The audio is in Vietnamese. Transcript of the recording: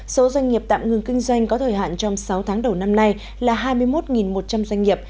số doanh nghiệp tạm ngừng kinh doanh có thời hạn trong sáu tháng đầu năm nay là hai mươi một một trăm linh doanh nghiệp